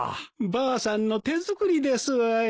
ばあさんの手作りですわい。